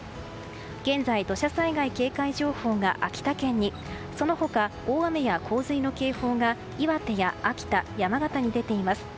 現在、土砂災害警戒情報が秋田県にその他、大雨や洪水の警報が岩手や秋田、山形に出ています。